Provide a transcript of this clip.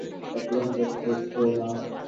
তাতে কোনো প্রশ্ন উঠতো না।